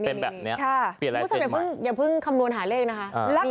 เป็นแบบนี้คุณผู้ชมอย่าเพิ่งคำนวณหาเลขนะคะ